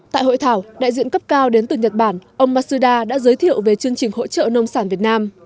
tại hội thảo đại diện cấp cao đến từ nhật bản ông masuda đã giới thiệu về chương trình hỗ trợ nông sản việt nam